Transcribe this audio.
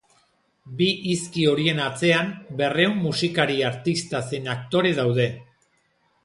Bi hizki horien atzean berrehun musikari, artista zein aktore daude.